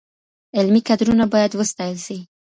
علمي کدرونه باید وستایل سي.